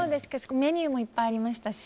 メニューもいっぱいありましたし。